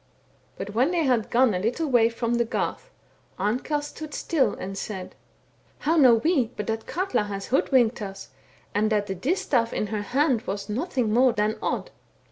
But when they had gone a httle way from the garth, Amkell stood still and said :* How know we but that Katla has hoodwinked us, and that the distaif in her hand was nothing more than Odd.'